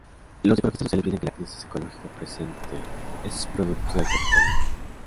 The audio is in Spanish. Los ecologistas sociales piensan que la crisis ecológica presente es producto del capitalismo.